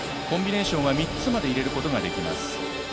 コンビネーションは３つまで入れることができます。